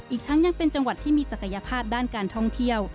อีกทั้งยังเป็นจังหวัดที่มีศักยภาพด้านการท่องเที่ยว